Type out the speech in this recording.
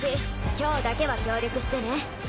今日だけは協力してね。